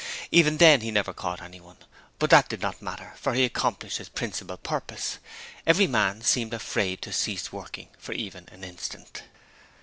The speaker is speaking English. Even then he never caught anyone, but that did not matter, for he accomplished his principal purpose every man seemed afraid to cease working for even an instant.